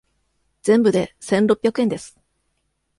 全部で千六百円です。